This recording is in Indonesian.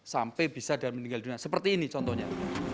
sampai bisa dan meninggal dunia seperti ini contohnya